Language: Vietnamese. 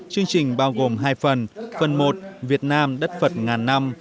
chương trình bao gồm hai phần phần một việt nam đất phật ngàn năm